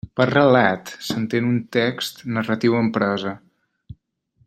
Per relat s'entén un text narratiu en prosa.